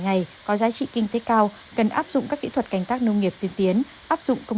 ngày có giá trị kinh tế cao cần áp dụng các kỹ thuật canh tác nông nghiệp tiên tiến áp dụng công